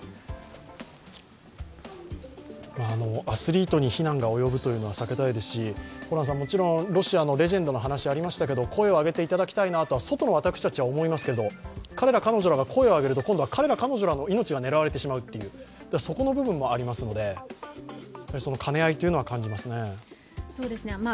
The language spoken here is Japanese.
アスリートに非難が及ぶというのは避けたいですし、もちろんロシアのレジェンドの話がありましたけど声を上げていただきたいなとは、外の私たちは思いますけれど彼ら、彼女らが声を上げると、今度は彼ら、彼女らの命が狙われてしまうという部分もありますのでその兼ね合いというのは感じますね。